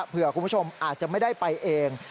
คุณผู้ชมอาจจะไม่ได้ไปเอง